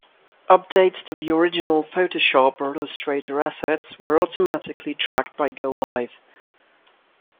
Updates to the original Photoshop or Illustrator assets were automatically tracked by GoLive.